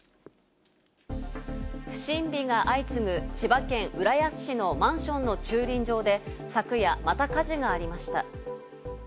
不審火が相次ぐ千葉県浦安市のマンションの駐輪場で昨夜、また火事がありました。